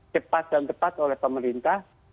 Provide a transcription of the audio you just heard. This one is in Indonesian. cepat dan tepat oleh pemerintah